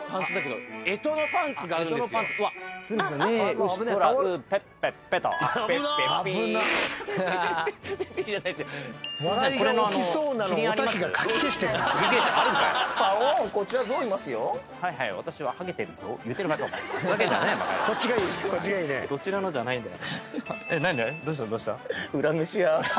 どうした？